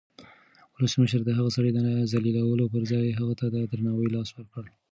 ولسمشر د هغه سړي د ذلیلولو پر ځای هغه ته د درناوي لاس ورکړ.